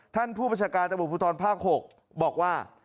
ท่านผู้ประชาการตะบุภูทรภาค๖บอกว่า